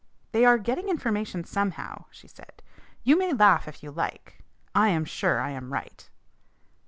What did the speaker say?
"They are getting information somehow," she said. "You may laugh if you like. I am sure I am right."